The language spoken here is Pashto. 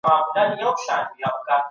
که ډيموکراسي وي وګړي د آزادۍ احساس کوي.